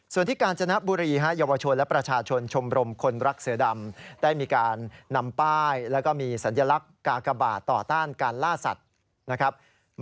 ส่วนที่กาญจนบุรีเยาวชนและประชาชนชมรมคนรักเสือดำได้มีการนำป้ายแล้วก็มีสัญลักษณ์กากบาทต่อต้านการล่าสัตว์นะครับ